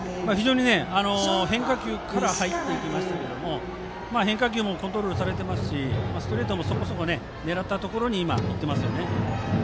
変化球から入っていきましたので変化球もコントロールされていますしストレートもそこそこ狙ったところに行っていますね。